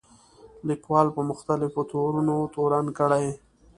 لیکوال په مختلفو تورونو تورن کړي.